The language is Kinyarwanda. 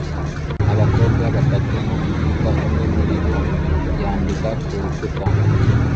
Abakobwa batatu mu iduka umwe muri bo yandika ku rukuta